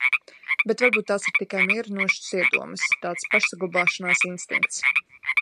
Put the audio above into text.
Bet varbūt tās ir tikai mierinošas iedomas, tāds pašsaglabāšanās instinkts.